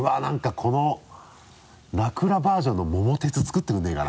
この名倉バージョンの桃鉄作ってくれないかな？